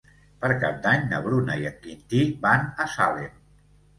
Per Cap d'Any na Bruna i en Quintí van a Salem.